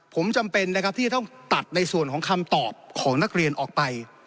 ผมจำเป็นนะครับที่จะต้องตัดในส่วนของคำตอบของนักเรียนออกไป